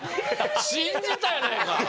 信じたやないか！